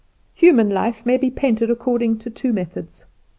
Human life may be painted according to two methods.